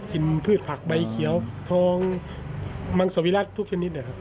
กินพืชผักใบเขียวทองมังสวิรัติทุกชนิด